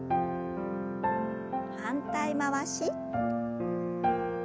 反対回し。